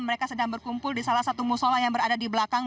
mereka sedang berkumpul di salah satu musola yang berada di belakang